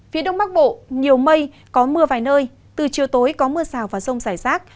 phía đông bắc bộ nhiều mây có mưa vài nơi từ chiều tối có mưa rào và rông rải rác